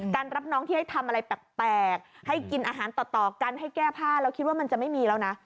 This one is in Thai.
รับน้องที่ให้ทำอะไรแปลกให้กินอาหารต่อกันให้แก้ผ้าแล้วคิดว่ามันจะไม่มีแล้วนะ